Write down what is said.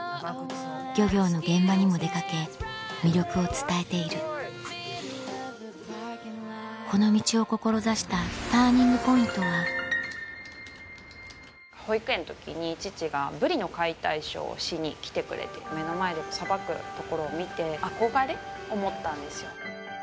漁業の現場にも出掛け魅力を伝えているこの道を志したＴＵＲＮＩＮＧＰＯＩＮＴは保育園の時に父がブリの解体ショーをしに来てくれて目の前でさばくところを見て憧れを持ったんですよ。